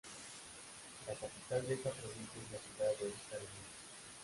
La capital de esta provincia es la ciudad de Zarumilla.